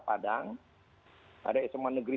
padang ada isman negeri